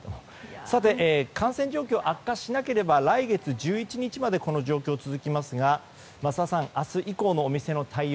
さて、感染状況が悪化しなければ来月１１日までこの状況は続きますが桝田さん明日以降のお店の対応。